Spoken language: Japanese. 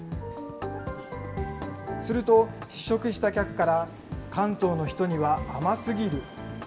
すると、試食した客から関東の人には甘すぎる。